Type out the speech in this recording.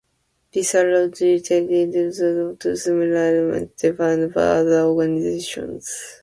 This allowed relating data elements to similar elements defined by other organizations.